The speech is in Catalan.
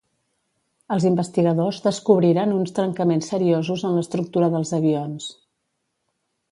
Els investigadors descobriren uns trencaments seriosos en l'estructura dels avions.